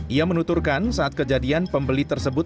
ia menuturkan saat kejadian pembeli tersebut